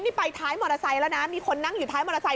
นี่ไปท้ายมอเตอร์ไซค์แล้วนะมีคนนั่งอยู่ท้ายมอเตอร์ไซค